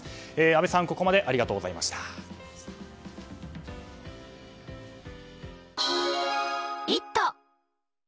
阿部さん、ここまでありがとうございました。